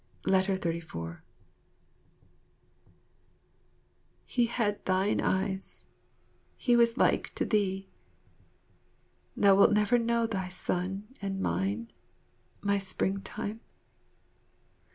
34 He had thine eyes he was like to thee. Thou wilt never know thy son and mine, my Springtime.